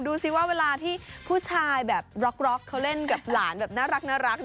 ดูสิว่าเวลาที่ผู้ชายแบบร็อกเขาเล่นกับหลานแบบน่ารัก